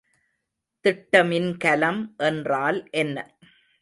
திட்டமின்கலம் என்றால் என்ன?